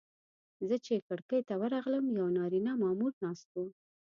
زه چې کړکۍ ته ورغلم یو نارینه مامور ناست و.